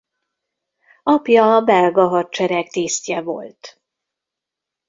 Apja a Belga Hadsereg tisztje volt.